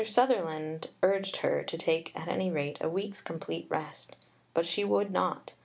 Sutherland urged her to take at any rate a week's complete rest. But she would not.